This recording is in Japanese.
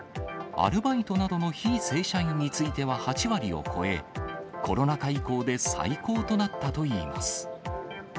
アルバイトなどの非正社員については８割を超え、コロナ禍以降で最高となったといいます。